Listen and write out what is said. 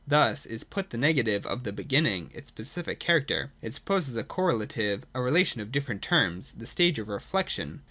Thus is put the negative of the beginning, its specific character : it supposes a correlative, a relation of different terms, — the stage of Reflection.